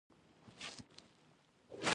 یو له بله یې وزرې ورکړې وې.